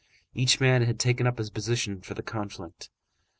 Each man had taken up his position for the conflict.